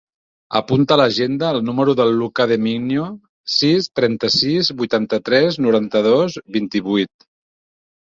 Apunta a l'agenda el número del Lucà De Mingo: sis, trenta-sis, vuitanta-tres, noranta-dos, vint-i-vuit.